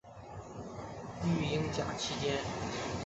育婴假期间